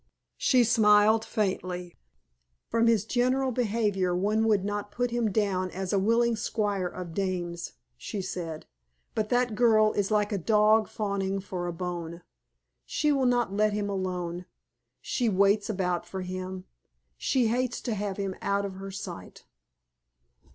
She smiled faintly. "From his general behavior one would not put him down as a willing squire of dames," she said; "but that girl is like a dog fawning for a bone. She will not let him alone. She waits about for him. She hates to have him out of her sight."